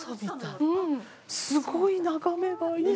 すごい眺めがいい。